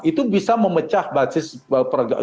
itu bisa memecah basis ganjar parnawo yang ini